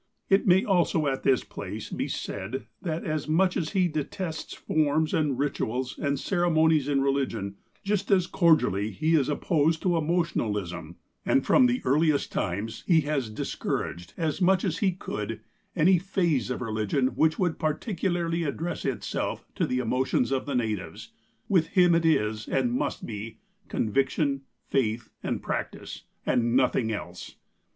It may also at this place be said, that as much as he detests forms, and rituals, and ceremonies in religion, just as cordially is he opposed to emotionalism, and, from 172 THE APOSTLE OF ALASKA the earliest times, lie has discouraged, as much as he could, auy phase of religion, which would particularly address itself to the emotions of the natives. With him it is, and must be, conviction, faith and practice, and nothing else.